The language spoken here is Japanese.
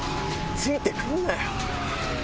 ついてくんなよ。